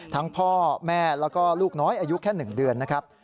พ่อแม่แล้วก็ลูกน้อยอายุแค่๑เดือนนะครับ